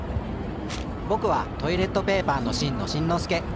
ぼくはトイレットペーパーのしんのしんのすけ。